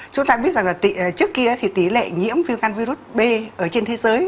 chúng ta biết rằng là trước kia thì tỷ lệ nhiễm viêm khăn virus b ở trên thế giới